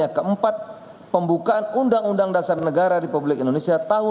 adalah untuk membuat pembukaan undang undang dasar negara republik indonesia tahun seribu sembilan ratus empat puluh lima